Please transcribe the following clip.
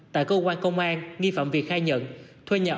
tại cơ quan công an nghi phạm việt khai nhận